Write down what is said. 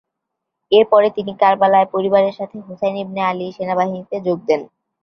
এরপরে তিনি কারবালায় পরিবারের সাথে হোসাইন ইবনে আলীর সেনাবাহিনীতে যোগ দেন।